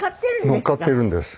乗っかっているんです。